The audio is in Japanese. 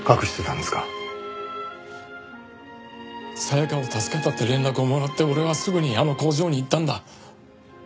沙也加を助けたって連絡をもらって俺はすぐにあの工場に行ったんだ。